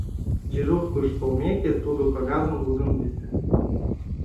Дежуркыш толмеке, тудо кагазым лудын лекте.